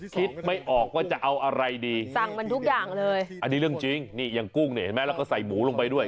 คิดไม่ออกว่าจะเอาอะไรดีอันนี้เรื่องจริงอย่างกุ้งแล้วก็ใส่หมูลงไปด้วย